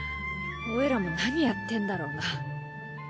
オイラも何やってんだろうな。